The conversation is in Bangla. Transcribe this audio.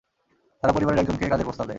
তারা পরিবারের একজনকে কাজের প্রস্তাব দেয়।